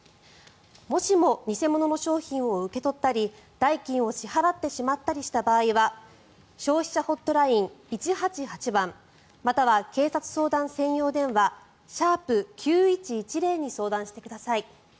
もしも偽物の商品を受け取ったり代金を支払ってしまったりした場合は消費者ホットライン、１８８番または警察相談専用電話「＃９１１０」に相談してください。